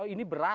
sampah di sampah